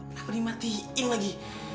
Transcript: kenapa dimatiin lagi